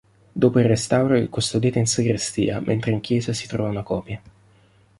Dopo il restauro è custodita in sagrestia, mentre in chiesa si trova una copia.